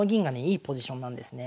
いいポジションなんですね。